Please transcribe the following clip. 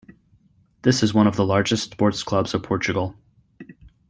This is one of the largest sports clubs of Portugal.